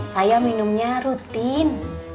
saya minumnya rutin